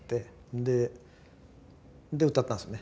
で歌ったんですよね。